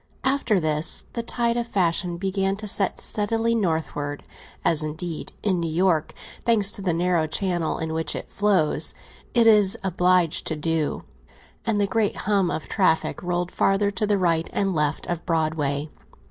After this, the tide of fashion began to set steadily northward, as, indeed, in New York, thanks to the narrow channel in which it flows, it is obliged to do, and the great hum of traffic rolled farther to the right and left of Broadway.